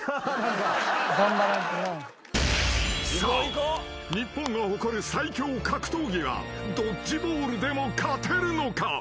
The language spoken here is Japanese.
［さあ日本が誇る最強格闘技がドッジボールでも勝てるのか？］